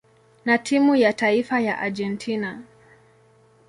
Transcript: na timu ya taifa ya Argentina.